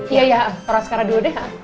iya iya taruh sekarang dulu deh